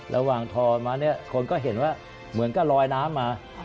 ระหว่างทอมาเนี่ยคนก็เห็นว่าเหมือนก็ลอยน้ำมา